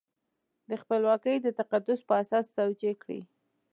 د خپلواکۍ د تقدس په اساس توجیه کړي.